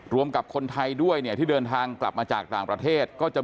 กับคนไทยด้วยเนี่ยที่เดินทางกลับมาจากต่างประเทศก็จะ